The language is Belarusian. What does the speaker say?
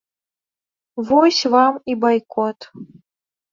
Вось вам і байкот.